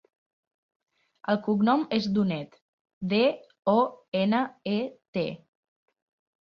El cognom és Donet: de, o, ena, e, te.